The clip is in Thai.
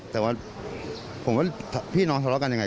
แต่ว่าผมว่าพี่น้องทะเลาะกันยังไง